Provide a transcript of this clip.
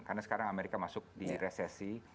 karena sekarang amerika masuk di resesi